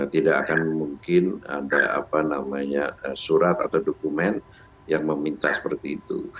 tidak akan mungkin ada surat atau dokumen yang meminta seperti itu